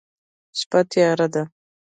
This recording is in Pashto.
شپه تیاره ده